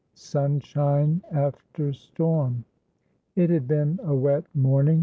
SUNSHINE AFTER STORM. IT had been a wet morning.